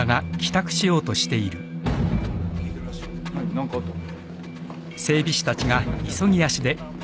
何かあったの？